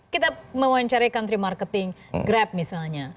kita mewawancari country marketing grab misalnya